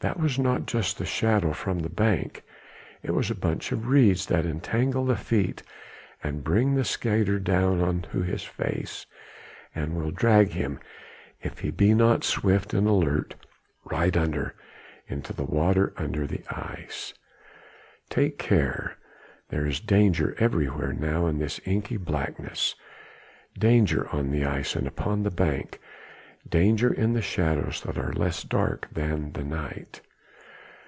that was not just the shadow from the bank, it was a bunch of reeds that entangle the feet and bring the skater down on to his face and will drag him, if he be not swift and alert, right under, into the water under the ice. Take care! there is danger everywhere now in this inky blackness! danger on the ice, and upon the bank, danger in the shadows that are less dark than the night!